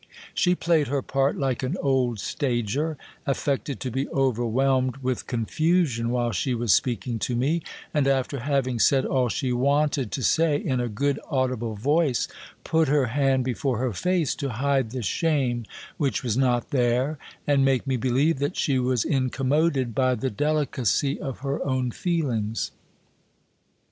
She played her part like an old stager : affected to be overwhelmed with con fusion while she was speaking to me ; and after having said all she wanted to say in a good audible voice, put her hand before her face, to hide the shame which was not there, and make me believe that she was incommoded by the delicacy of her own feelings.